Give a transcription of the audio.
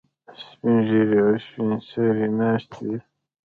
سپین ږیري او سپین سرې ناستې وي.